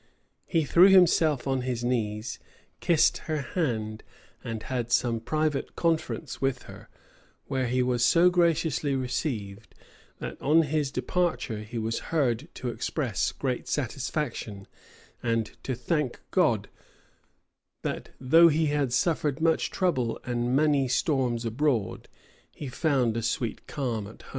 He threw himself on his knees, kissed her hand, and had some private conference with her; where he was so graciously received, that on his departure he was heard to express great satisfaction, and to thank God that, though he had suffered much trouble and many storms abroad, he found a sweet calm at home.